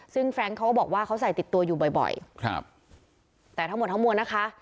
ซึ่งแฟรงค์เขาก็บอกว่าเขาใส่ติดตัวอยู่บ่อยบ่อยครับแต่ทั้งหมดทั้งมวลนะคะ